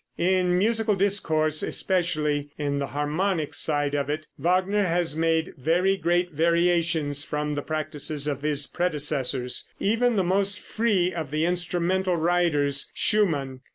In musical discourse, especially in the harmonic side of it, Wagner has made very great variations from the practices of his predecessors, even the most free of the instrumental writers Schumann.